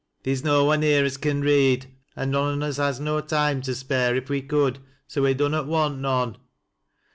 ' Theer's no one here as can read, an' none on us has no toime to spare if we could, so we dunnot want none.'